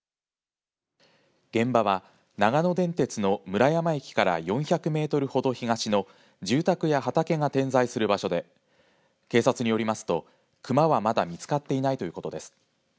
現場は、長野電鉄の村山駅から４００メートルほど東の住宅や畑が点在する場所で警察によりますとクマはまだ見つかっていないということです。